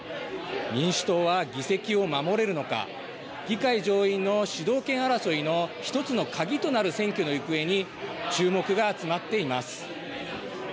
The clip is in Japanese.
民主党は議席を守れるのか、議会上院の主導権争いの１つの鍵となる選挙の行方に注目が集まっています。